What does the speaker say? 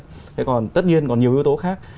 thế còn tất nhiên còn nhiều yếu tố khác